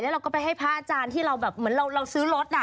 เราก็ไปให้พระอาจารย์ที่เราแบบเหมือนเราซื้อรถ